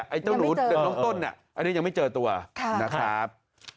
ไอ้เจ้าหนูน้องต้นอันนี้ยังไม่เจอตัวนะครับ